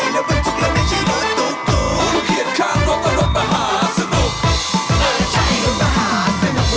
สวัสดีครับ